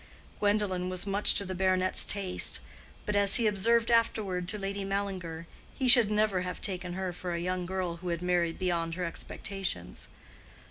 Gwendolen was much to the baronet's taste, but, as he observed afterward to Lady Mallinger, he should never have taken her for a young girl who had married beyond her expectations.